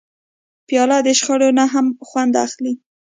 پیاله د شخړو نه هم خوند اخلي.